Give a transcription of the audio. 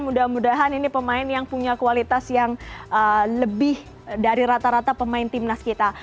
mudah mudahan ini pemain yang punya kualitas yang lebih dari rata rata pemain timnas kita